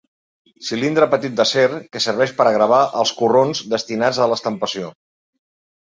Cilindre petit d'acer que serveix per a gravar els corrons destinats a l'estampació.